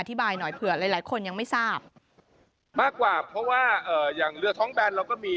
บายหน่อยเผื่อหลายหลายคนยังไม่ทราบมากกว่าเพราะว่าเอ่ออย่างเรือท้องแบนเราก็มี